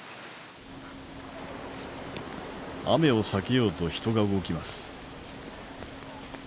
雨を避けようと人が動きます。